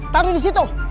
taruh di situ